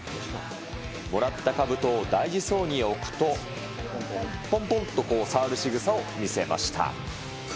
もらったかぶとを大事そうに置くと、ぽんぽんっと触るしぐさを見せました。